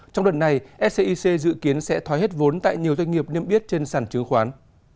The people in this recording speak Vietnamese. trong đợt này scic dự kiến sẽ thoái hết vốn tại nhiều doanh nghiệp niêm yết trên sản chứng khoán